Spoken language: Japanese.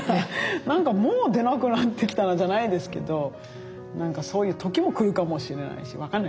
何かもう出なくなってきたなじゃないですけど何かそういう時も来るかもしれないし分かんないですけどね。